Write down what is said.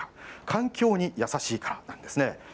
環境に優しいからなんですね。